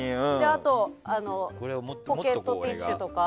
あと、ポケットティッシュとか。